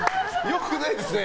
良くないですね。